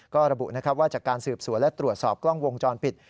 ก็ระบุนะครับว่าจากการสืบสวนและตรวจสอบกล้องวงจรปิด